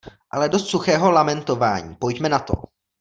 Ale dost suchého lamentování, pojďme na to!!!